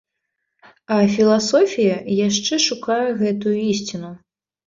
А філасофія яшчэ шукае гэтую ісціну.